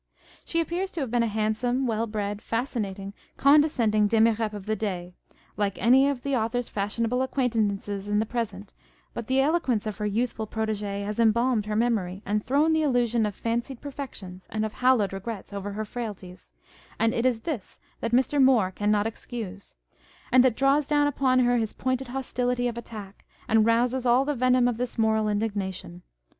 She appears to have been a handsome, well bred, fascinating, condescending demirep of that day, 'like any of the author's fashionable acquaintances in the present, but the eloquence of her youthful protege has embalmed her memory, and thrown the illusion of fancied perfections and of hallowed regrets over her frailties ; and it is this that Mr. Moore cannot excuse, and that draws down upon her his pointed hos tility of attack, and rouses all the venom of his moral indignation.